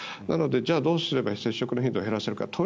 なので、じゃあどうすれば接触の頻度を減らせるか。